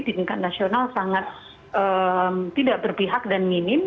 di tingkat nasional sangat tidak berpihak dan minim